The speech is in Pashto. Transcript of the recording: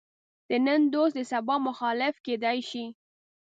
د نن دوست د سبا مخالف کېدای شي.